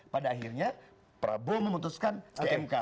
pada akhirnya prabowo memutuskan kmk